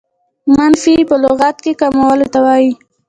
منفي په لغت کښي کمولو ته وايي.